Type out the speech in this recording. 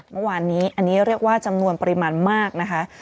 เมื่อวานนี้อันนี้เรียกว่าจำนวนปริมาณมากนะคะ